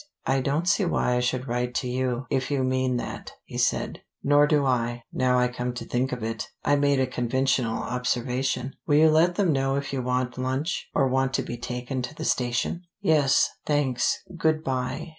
"I don't see why I should write to you, if you mean that," he said. "Nor do I, now I come to think of it. I made a conventional observation. Will you let them know if you want lunch, or want to be taken to the station?" "Yes. Thanks. Good by.